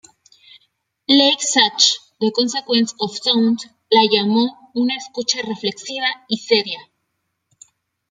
Lake Schatz de "Consequence of Sound" lo llamó "una escucha reflexiva y seria".